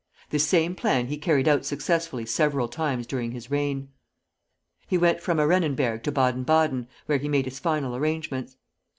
This same plan he carried out successfully several times during his reign. He went from Arenenberg to Baden Baden, where he made his final arrangements.